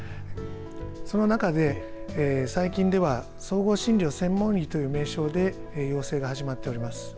その中で最近では総合診療専門医という名称で要請が始まっております。